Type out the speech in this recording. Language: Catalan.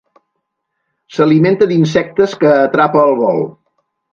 S'alimenta d'insectes que atrapa al vol.